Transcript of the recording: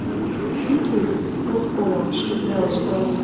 — Ит лӱд, от коло, — шыргыжалеш Клави.